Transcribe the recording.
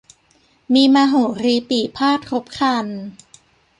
มีมโหรีปี่พาทย์ครบครัน